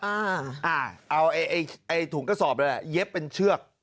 อ่าอ่าเอาไอ้ไอ้ถุงกระสอบนั่นแหละเย็บเป็นเชือก